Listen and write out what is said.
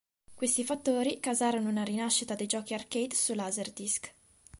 Questi fattori causarono una rinascita dei giochi arcade su Laserdisc.